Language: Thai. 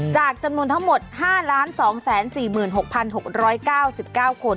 จำนวนทั้งหมด๕๒๔๖๖๙๙คน